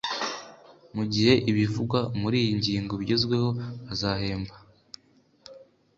Mu gihe ibivugwa muri iyi ngingo bigezweho bazahemba